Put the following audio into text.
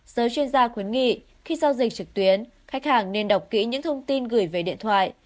giới chuyên gia khuyến nghị khi giao dịch trực tuyến khách hàng nên đọc kỹ những thông tin gửi về điện thoại